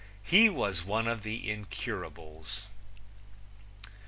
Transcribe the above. He was one of the incurables.